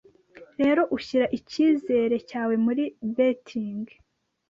rero ushyira icyizere cyawe muri 'betting'